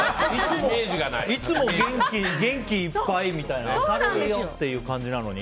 いつも元気いっぱいみたいな明るいよって感じなのに？